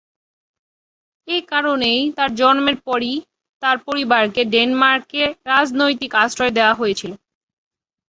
এ কারণেই, তার জন্মের পরেই তার পরিবারকে ডেনমার্কে রাজনৈতিক আশ্রয় দেওয়া হয়েছিল।